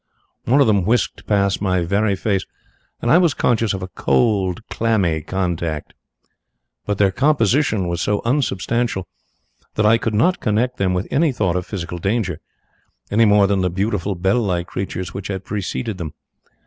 One of them whisked past my very face, and I was conscious of a cold, clammy contact, but their composition was so unsubstantial that I could not connect them with any thought of physical danger, any more than the beautiful bell like creatures which had preceded them.